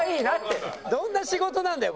どんな仕事なんだよこれ。